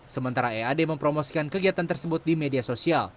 sementara ead mempromosikan kegiatan tersebut di media sosial